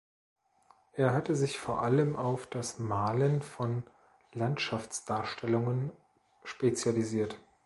Er hatte sich vor allem auf das Malen von Landschaftsdarstellungen spezialisiert.